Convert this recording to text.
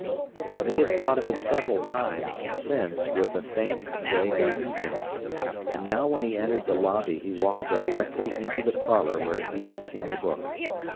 But he had thought of it several times since with a faint, vague uneasiness; and now when he entered the lobby he walked directly into the parlour where he had seen the book.